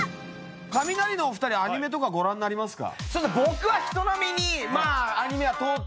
カミナリのお二人アニメとかご覧になりますか？